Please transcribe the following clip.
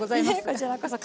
こちらこそ。